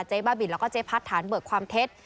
บ้าบินแล้วก็เจ๊พัดฐานเบิกความเท็จ